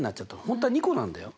本当は２個なんだよ。